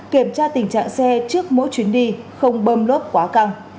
kiểm tra tình trạng xe trước mỗi chuyến đi không bơm lốp quá căng